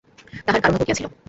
তাহার কারণও ঘটিয়াছিল।